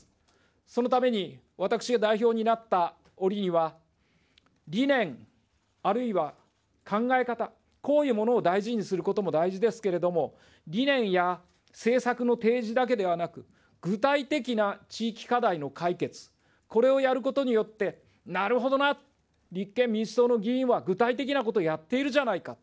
そのために、私が代表になった折には、理念、あるいは考え方、こういうものを大事にすることも大事ですけれども、理念や政策の提示だけではなく、具体的な地域課題の解決、これをやることによって、なるほどな、立憲民主党の議員は、具体的なことやっているじゃないか。